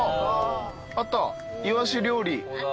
あったイワシ料理。